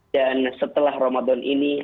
dan setelah ramadan ini